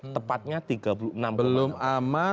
tepatnya tiga puluh enam belum aman